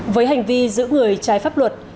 với hành vi giữ người trái pháp luật